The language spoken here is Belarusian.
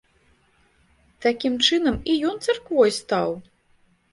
Такім чынам і ён царквой стаў!!!